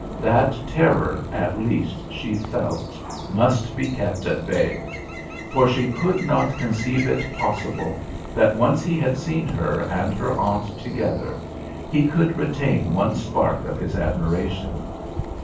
That terror, at least, she felt must be kept at bay. For she could not conceive it possible that, once he had seen her and her aunt together, he could retain one spark of his admiration.